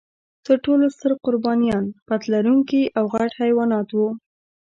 تر ټولو ستر قربانیان پت لرونکي او غټ حیوانات و.